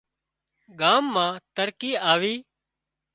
ڳام مان ترقي آوي